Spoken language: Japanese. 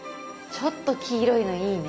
ちょっと黄色いのいいね。